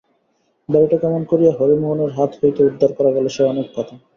বাড়িটা কেমন করিয়া হরিমোহনের হাত হইতে উদ্ধার করা গেল সে অনেক কথা।